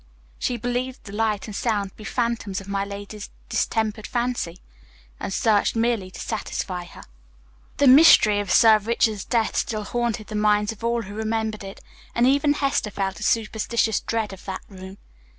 She believed the light and sound to be phantoms of my lady's distempered fancy, and searched merely to satisfy her. The mystery of Sir Richard's death still haunted the minds of all who remembered it, and even Hester felt a superstitious dread of that room.